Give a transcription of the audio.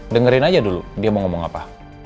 dengerin aja dulu dia mau ngomong apa